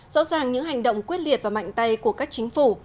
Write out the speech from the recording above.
rõ ràng những hành động quyết liệt và mạnh tay của các chính phủ